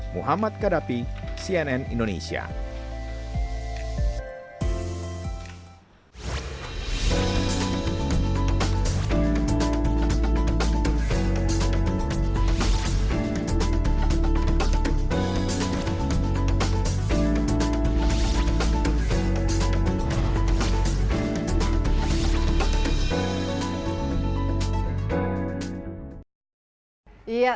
muhammad kadapi cnn indonesia